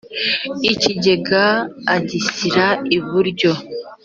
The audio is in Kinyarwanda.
ikigega agishyira iburyo